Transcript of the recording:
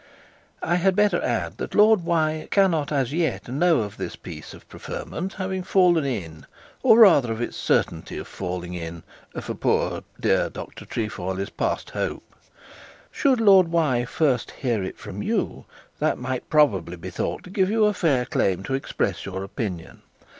'I had better add, that Lord cannot as yet know of this piece of preferment having fallen in, or rather of the certainty of falling (for poor dear Dr Trefoil is past hope). Should Lord first hear it from you, that might probably bee thought to give you a fair claim to express your opinion.